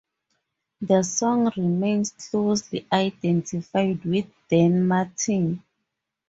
The song remains closely identified with Dean Martin.